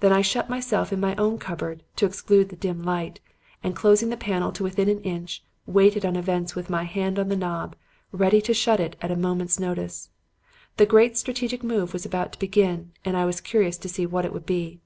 Then I shut myself in my own cupboard, to exclude the dim light, and closing the panel to within an inch, waited on events with my hand on the knob, ready to shut it at a moment's notice. The great strategic move was about to begin and I was curious to see what it would be.